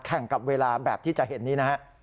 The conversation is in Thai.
แข่งกับเวลาแบบที่จะเห็นนี้